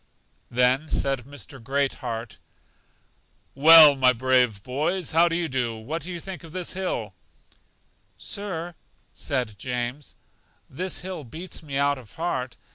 Then said Mr. Great heart: Well, my brave boys, how do you do? What think you of this hill? Sir, said James, this hill beats me out of heart!